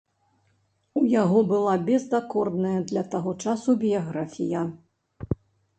У яго была бездакорная для таго часу біяграфія.